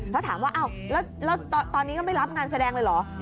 แล้วถามว่าอ้าวแล้วตอนนี้ก็ไม่รับงานแสดงเลยเหรอ